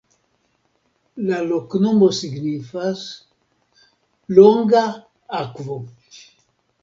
La loknomo signifas: longa-akvo.